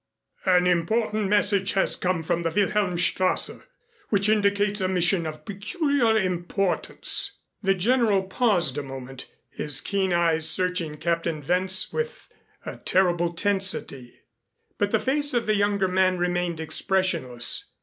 "An important message has come from the Wilhelmstrasse, which indicates a mission of peculiar importance." The General paused a moment, his keen eyes searching Captain Wentz with a terrible tensity, but the face of the younger man remained expressionless.